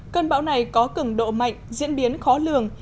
cơn bão này có cường độ mạnh diễn biến khó lường